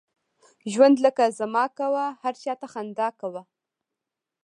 ژوند لکه زما کوه ، هر چاته خنده کوه!